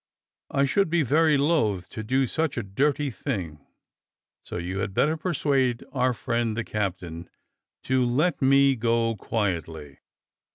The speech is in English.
I should be very loath to do such a dirty thing, so you had better persuade our friend the captain to let me go quietly."